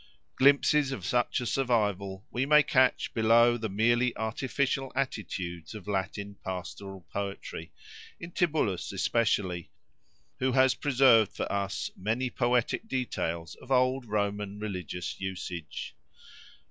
Glimpses of such a survival we may catch below the merely artificial attitudes of Latin pastoral poetry; in Tibullus especially, who has preserved for us many poetic details of old Roman religious usage.